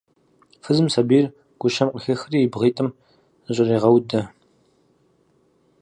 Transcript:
Фызым сабийр гущэм къыхехри, и бгъитӏым зыщӏрегъэудэ.